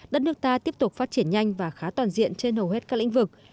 đất nước ta tiếp tục phát triển nhanh và khá toàn diện trên hầu hết các lĩnh vực